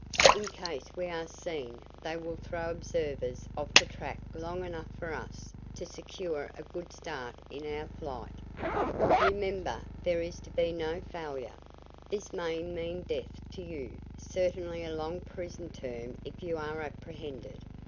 In case we are seen they will throw observers off the track long enough for us to secure a good start in our flight." "Remember, there is to be no failure. This may mean death to you; certainly a long prison term if you are apprehended.